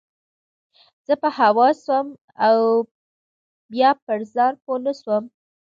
زه په هوا سوم او بيا پر ځان پوه نه سوم.